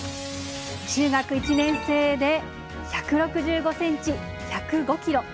中学１年生で１６５センチ、１０５キロ。